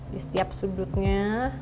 di setiap sudutnya